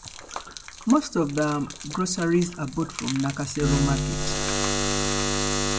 In some jurisdictions, possession of a dangerous scorpion is illegal.